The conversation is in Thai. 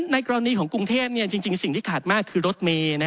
กรณีของกรุงเทพจริงสิ่งที่ขาดมากคือรถเมย์